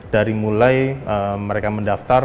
dari mulai mereka mendaftar